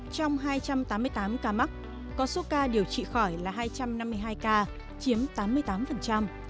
trong hai trăm tám mươi tám ca mắc có số ca điều trị khỏi là hai trăm năm mươi hai ca chiếm tám mươi tám